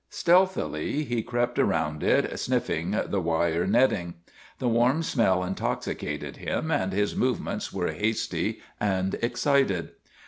Stealthily he crept around it, sniffing the wire netting. The warm smell in toxicated him, and his movements were hasty and excited.